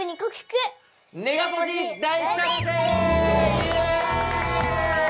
イエーイ！